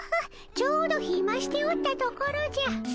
ちょうどひましておったところじゃ。